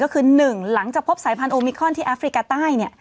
ก็คือ๑หลังจากพบสายพันธุมิคอนที่แอฟริกาใต้